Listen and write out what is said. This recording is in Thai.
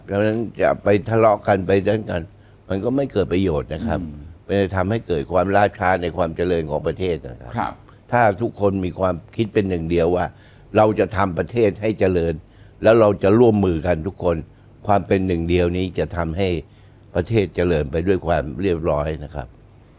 เพราะฉะนั้นจะไปทะเลาะกันไปเล่นกันมันก็ไม่เกิดประโยชน์นะครับมันจะทำให้เกิดความล่าช้าในความเจริญของประเทศนะครับถ้าทุกคนมีความคิดเป็นหนึ่งเดียวว่าเราจะทำประเทศให้เจริญแล้วเราจะร่วมมือกันทุกคนความเป็นหนึ่งเดียวนี้จะทำให้ประเทศเจริญไปด้วยความเรียบร้อยนะครับ